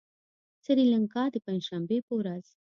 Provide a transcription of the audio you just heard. سريلانکا د پنجشنبې په ورځ